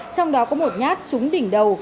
trong đó có một nhát trúng đỉnh đầu